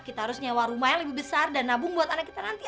kita harus nyewa rumah yang lebih besar dan nabung buat anak kita nanti